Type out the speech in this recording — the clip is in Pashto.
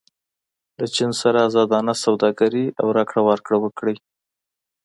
له چین سره ازادانه سوداګري او راکړه ورکړه وکړئ.